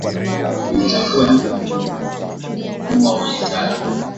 Kipindi cha mvua nyingi za muda mrefu mbu huwa wengi sana